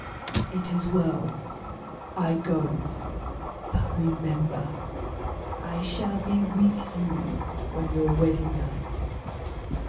"It is well. I go; but remember, I shall be with you on your wedding night."